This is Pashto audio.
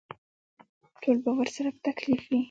ټول به ورسره په تکلیف وي.